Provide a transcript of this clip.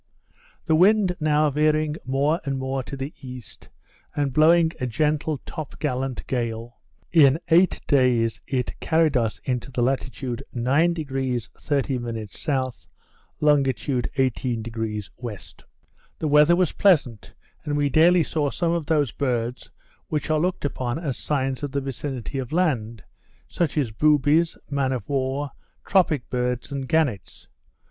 The wind now veering more and more to the east, and blowing a gentle top gallant gale, in eight days it carried us into the latitude 9° 30' S., longitude 18° W. The weather was pleasant; and we daily saw some of those birds which are looked upon as signs of the vicinity of land; such as boobies, man of war, tropic birds, and gannets.